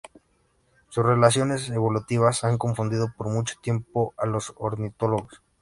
Sus relaciones evolutivas han confundido por mucho tiempo a los ornitólogos.